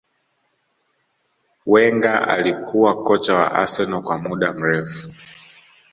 Wenger alikuwa kocha wa arsenal kwa muda mrefu